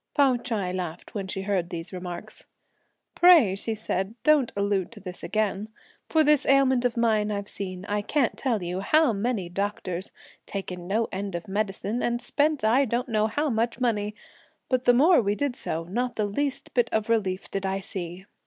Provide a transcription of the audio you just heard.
Pao Ch'ai laughed when she heard these remarks. "Pray," she said, "don't allude to this again; for this ailment of mine I've seen, I can't tell you, how many doctors; taken no end of medicine and spent I don't know how much money; but the more we did so, not the least little bit of relief did I see.